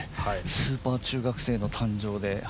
スーパー中学生の誕生で。